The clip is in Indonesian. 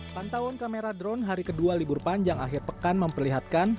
pantauan kamera drone hari kedua libur panjang akhir pekan memperlihatkan